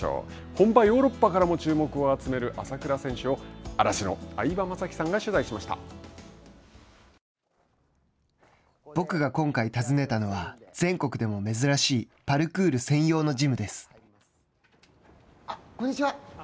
本場ヨーロッパからも注目を集める朝倉選手を嵐の相葉雅紀さんが僕が今回訪ねたのは、全国でもこんにちは。